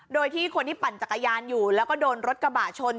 โดยที่คนที่ปั่นจักรยานอยู่แล้วก็โดนรถกระบะชน